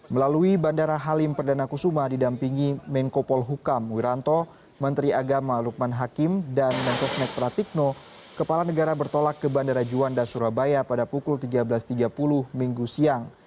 melalui bandara halim perdana kusuma didampingi menko polhukam wiranto menteri agama lukman hakim dan mensosnek pratikno kepala negara bertolak ke bandara juanda surabaya pada pukul tiga belas tiga puluh minggu siang